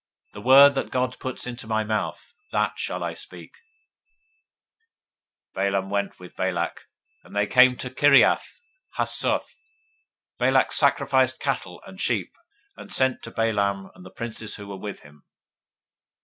the word that God puts in my mouth, that shall I speak. 022:039 Balaam went with Balak, and they came to Kiriath Huzoth. 022:040 Balak sacrificed oxen and sheep, and sent to Balaam, and to the princes who were with him.